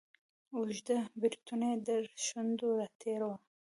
اوږده بریتونه یې تر شونډو را تیر وه.